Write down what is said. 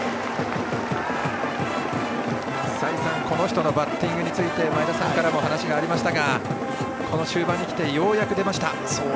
再三、この人のバッティングについて前田さんからも話がありましたがこの終盤に来てようやく出ました。